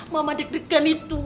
mama deg degan itu